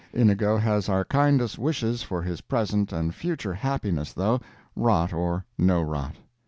"Inigo" has our kindest wishes for his present and future happiness, though, rot or no rot.